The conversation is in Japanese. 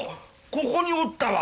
ここにおったわ！